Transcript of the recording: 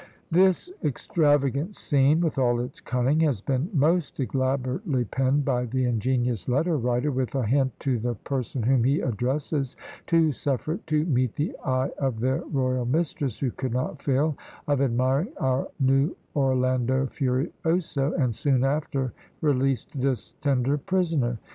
This extravagant scene, with all its cunning, has been most elaborately penned by the ingenious letter writer, with a hint to the person whom he addresses, to suffer it to meet the eye of their royal mistress, who could not fail of admiring our new "Orlando Furioso," and soon after released this tender prisoner!